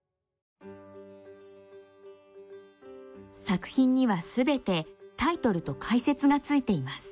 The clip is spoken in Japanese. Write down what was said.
作品には全てタイトルと解説がついています。